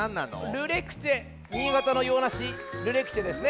ルレクチェ新潟のようなしルレクチェですね。